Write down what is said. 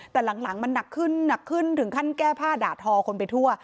แต่หลังมันหนักขึ้นหนักขึ้นถึงขั้นแก้ผ้าด่าทอคนไปทั่ว